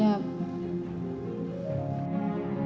kenapa mereka pindah dari jalan bangka ke sangguling